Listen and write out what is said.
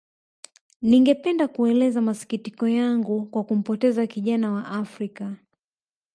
Ningependa kuelezea masikitiko yangu kwa kumpoteza kijana wa Afrika